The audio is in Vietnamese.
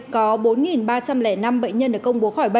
có bốn ba trăm linh năm bệnh nhân đã bị bệnh